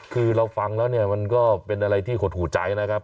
คือเราฟังแล้วเนี่ยมันก็เป็นอะไรที่หดหูใจนะครับ